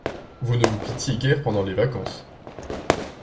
Vous ne vous quittiez guère pendant les vacances.